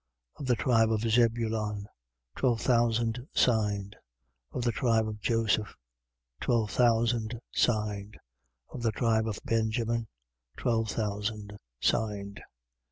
Of the tribe of Zabulon, twelve thousand signed: Of the tribe of Joseph, twelve thousand signed: Of the tribe of Benjamin, twelve thousand signed.